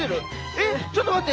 えっちょっと待って。